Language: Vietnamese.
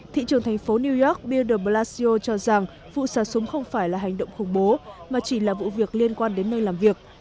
thị trường thành phố new york bia blacio cho rằng vụ xả súng không phải là hành động khủng bố mà chỉ là vụ việc liên quan đến nơi làm việc